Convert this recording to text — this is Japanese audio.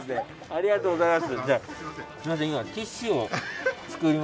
ありがとうございます。